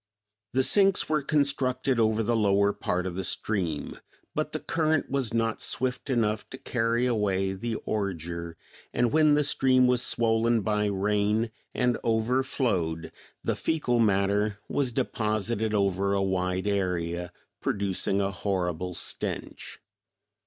= The sinks were constructed over the lower part of the stream, but the current was not swift enough to carry away the ordure, and when the stream was swollen by rain and overflowed, the foecal matter was deposited over a wide area, producing a horrible stench.